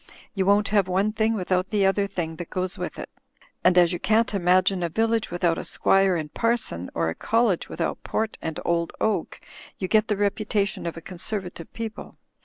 You won't have one thing without the other thing that goes with it. And as you can't imagine a village without a squire and parson, or a college with out port and old oak, you get the reputation of a Con servative people.